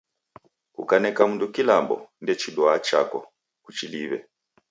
Kukaneka mundu kilambo, ndechiduagha chako. Kuchiliw'e.